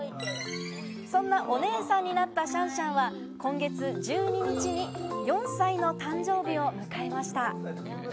そんなお姉さんになったシャンシャンは、今月１２日に４歳の誕生日を迎えました。